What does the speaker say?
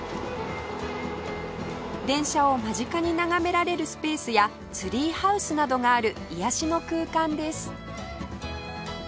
電車を間近に眺められるスペースやツリーハウスなどがある癒やしの空間です